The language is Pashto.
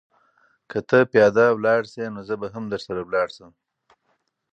که ته پیاده لاړ شې نو زه به هم درسره لاړ شم.